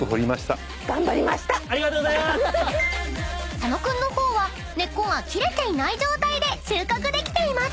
［佐野君の方は根っこが切れていない状態で収穫できています］